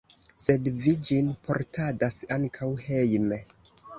Sed vi ĝin portadas ankaŭ hejme.